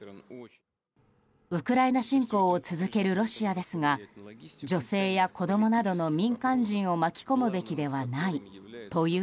ウクライナ侵攻を続けるロシアですが女性や子供などの民間人を巻き込むべきではないという